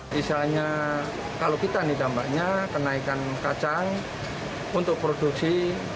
misalnya kalau kita nih dampaknya kenaikan kacang untuk produksi